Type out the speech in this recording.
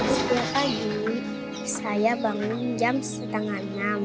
sekaligi saya bangun jam setengah enam